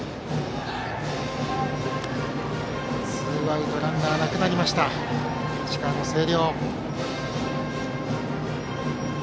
ツーアウトランナーなくなりました石川の星稜。